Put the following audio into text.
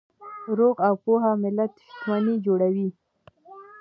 روغ او پوهه ملت شتمني جوړوي.